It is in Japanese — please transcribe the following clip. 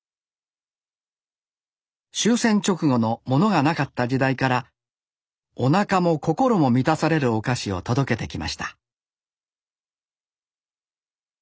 終戦直後のモノがなかった時代からおなかも心も満たされるお菓子を届けてきました